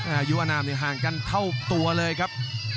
อายุอนามห่างกันเท่าตัวเลยครับ